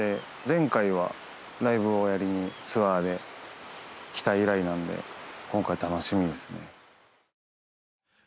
前回はライブをやりにツアーで来た以来なんで今回楽しみですね。